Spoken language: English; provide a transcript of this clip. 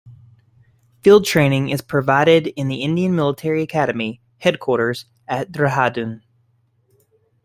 Field training is provided in the Indian Military Academy Headquarters at Dehradun.